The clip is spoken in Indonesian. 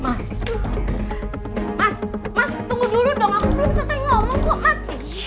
mas mas tunggu dulu dong aku belum selesai ngomong kok asik